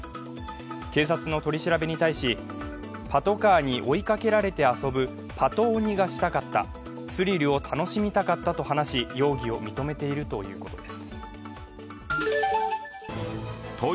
警察の取り調べに対し、パトカーに追いかけられて遊ぶパト鬼がしたかったスリルを楽しみたかったと話し容疑を認めているということです。